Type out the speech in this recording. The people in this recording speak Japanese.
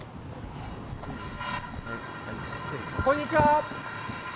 こんにちは。